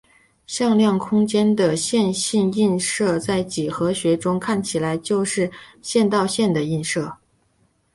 向量空间的线性映射在几何学中看起来就是线到线的映射。